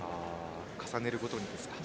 重ねるごとにですか。